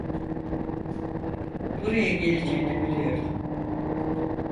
Buraya geleceğini biliyordum.